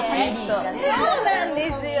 そうなんですよ。